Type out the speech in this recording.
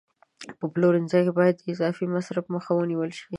په پلورنځي کې باید د اضافي مصرف مخه ونیول شي.